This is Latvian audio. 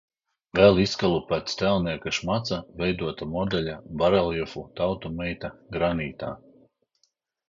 "Vēl izkalu, pēc tēlnieka Šmalca veidota modeļa, bareljefu "Tautu meita", granītā."